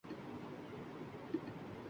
جگر کیا ہم نہیں رکھتے کہ‘ کھودیں جا کے معدن کو؟